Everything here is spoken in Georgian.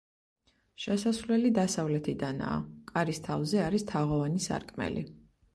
შესასვლელი დასავლეთიდანაა, კარის თავზე არის თაღოვანი სარკმელი.